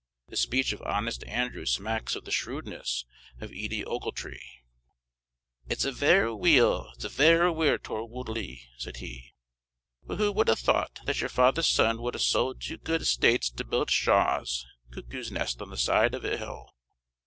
The speech of honest Andrew smacks of the shrewdness of Edie Ochiltree. "It's a' varra weel it's a' varra weel, Torwoodlee," said he; "but who would ha' thought that your father's son would ha' sold two gude estates to build a shaw's (cuckoo's) nest on the side of a hill?"